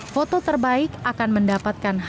foto terbaik akan mendapatkan hasil